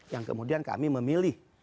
yang kemudian kami memilih